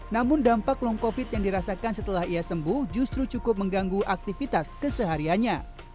namun dampak long covid yang dirasakan setelah ia sembuh justru cukup mengganggu aktivitas keseharianya